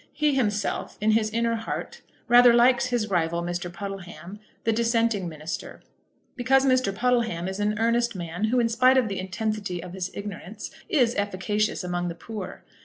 He himself, in his inner heart, rather likes his rival, Mr. Puddleham, the dissenting minister; because Mr. Puddleham is an earnest man, who, in spite of the intensity of his ignorance, is efficacious among the poor.